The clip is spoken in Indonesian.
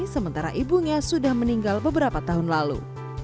sementara ibunya sudah meninggal beberapa tahun lalu